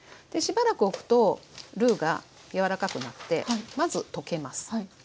しばらくおくとルーが柔らかくなってまず溶けます。